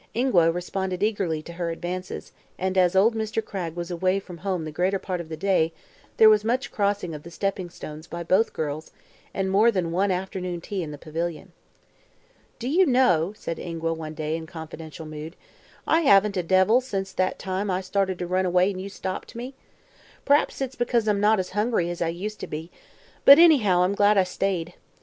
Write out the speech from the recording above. Ingua responded eagerly to her advances and as old Mr. Cragg was away from home the greater part of the day there was much crossing of the stepping stones by both girls and more than one "afternoon tea" in the pavilion. "Do you know," said Ingua one day, in confidential mood, "I haven't had the devils since that time I started to run away and you stopped me? P'r'aps it's because I'm not as hungry as I used to be; but, anyhow, I'm glad I stayed.